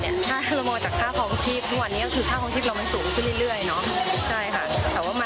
ถ้าเรามองจากค่าครองชีพทุกวันนี้ค่าของชีพเราสูงขึ้นเรื่อยใช่ค่ะ